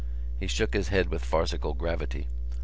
He shook his head with farcical gravity.